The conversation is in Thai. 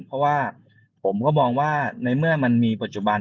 เพราะว่าผมก็มองว่าในเมื่อมันมีปัจจุบัน